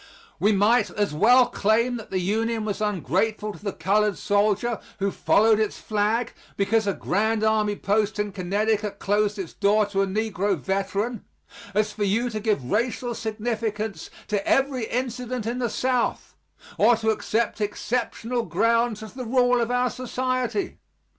We might as well claim that the Union was ungrateful to the colored soldier who followed its flag because a Grand Army post in Connecticut closed its doors to a negro veteran as for you to give racial significance to every incident in the South, or to accept exceptional grounds as the rule of our society.